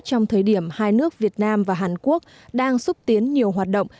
trong thời điểm hai nước việt nam và hàn quốc đang xúc tiến nhiều hoạt động